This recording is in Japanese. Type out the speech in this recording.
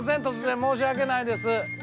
突然申し訳ないです。